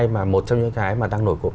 mà một trong những cái đang nổi cộng